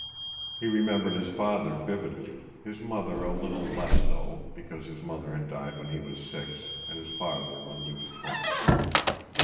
He remembered his father vividly, his mother a little less so, because his mother had died when he was six and his father when he was twenty.